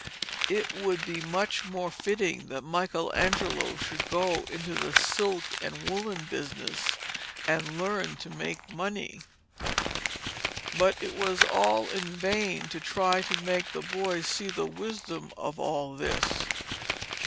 It would be much more fitting that Michelangelo should go into the silk and woollen business and learn to make money. But it was all in vain to try to make the boy see the wisdom of all this.